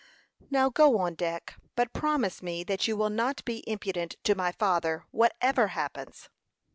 "Now go on deck; but promise me that you will not be impudent to my father, whatever happens."